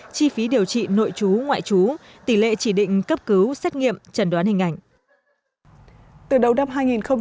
chi phí điều trị nội chú ngoại chú tỷ lệ chỉ định cấp cứu xét nghiệm trần đoán hình ảnh